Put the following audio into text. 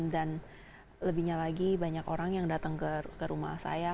dan lebihnya lagi banyak orang yang datang ke rumah saya